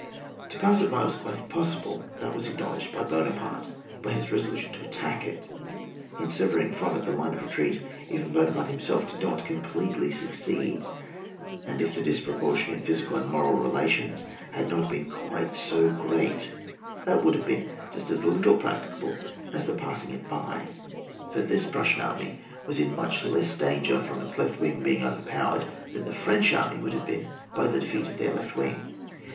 To pass it by was quite impossible ; that was acknow ledged by Buonaparte, by his resolution to attack it; in severing from it the line of retreat even Buonaparte him self did not completely succeed, and if the disproportion in physical and moral relations had not been quite so great, that would have been just as little practicable as the passing it by, for the 118 ON WAR. [book VI. PruBsian army was in much less danger from its left wing being overpowered than the French army would have been by the defeat of their left wing.